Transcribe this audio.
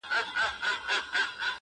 په دربار كي جنرالانو بيعت وركړ-